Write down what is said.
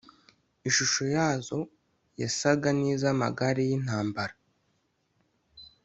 Ishusho yazo yasaga n’iz’amagare y’intambara